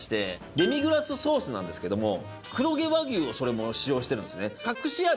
デミグラスソースなんですけども黒毛和牛をそれも使用してるんですね。